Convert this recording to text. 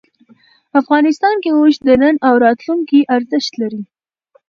افغانستان کې اوښ د نن او راتلونکي ارزښت لري.